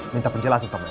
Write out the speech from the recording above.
minta penjelasan sama elsa